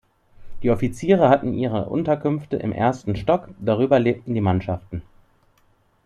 Die Offiziere hatten ihre Unterkünfte im ersten Stock, darüber lebten die Mannschaften.